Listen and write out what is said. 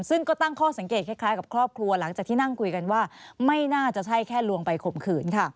ซึ่งก็ตั้งข้อสังเกตแค่ล่ะกับครอบครัวที่นั่งคุยกันว่าไม่ง่าจะใช่แค่ลวงไปขมขืน